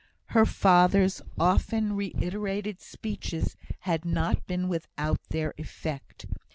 Her father's often reiterated speeches had not been without their effect.